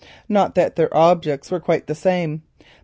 Not that their objects were quite the same.